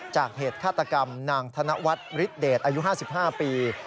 จากเหตุฆาตกรรมนางธนวัตรฤทธิ์เดชอายุ๕๕ปี